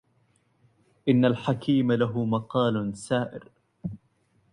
إن الحكيم له مقال سائر